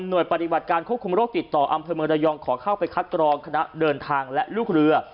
โดยปฏิบัติการควบคุมโรคติดต่ออำเภอเมืองระยองขอเข้าไปคัดกรองคณะเดินทางและลูกเรือ